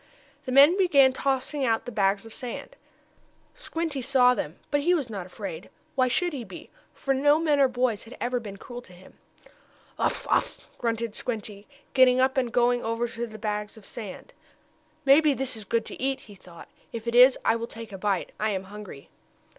The men began tossing out the bags of sand. Squinty saw them, but he was not afraid. Why should he be? for no men or boys had ever been cruel to him. "Uff! Uff!" grunted Squinty, getting up and going over to one of the bags of sand. "Maybe that is good to eat!" he thought. "If it is I will take a bite. I am hungry."